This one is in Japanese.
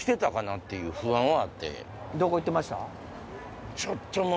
どこ行ってました？